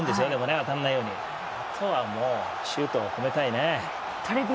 あとはもう、シュートを止めたいね。